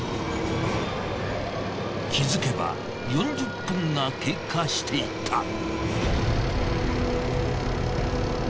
気づけば４０分が経過していた。